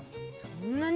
そんなに？